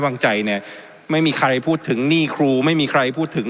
วางใจเนี่ยไม่มีใครพูดถึงหนี้ครูไม่มีใครพูดถึง